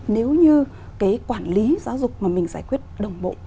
nếu như cái quản lý giáo dục mà mình giải quyết đồng bộ